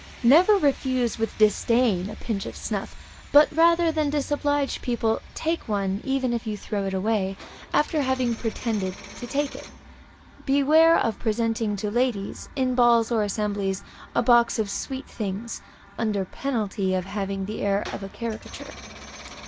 _ Never refuse with disdain a pinch of snuff, and rather than disoblige people, take one, even if you throw it away, after having pretended to take it. Beware of presenting to ladies, in balls or assemblies, a box of sweet things, under penalty of having the air of a caricature.